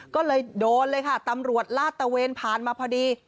ก็เลยโดนเลยค่ะตำรวจลาดตะเวนผ่านมาพอดี